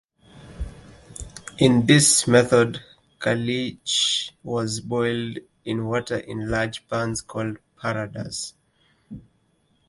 In this method caliche was boiled in water in large pans called "paradas".